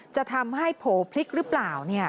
จะทำให้โผล่พลิกหรือเปล่า